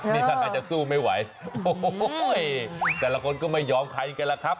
นี่ท่านอาจจะสู้ไม่ไหวโอ้โหแต่ละคนก็ไม่ยอมใครกันล่ะครับ